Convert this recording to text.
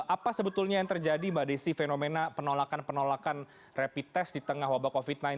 apa sebetulnya yang terjadi mbak desi fenomena penolakan penolakan rapid test di tengah wabah covid sembilan belas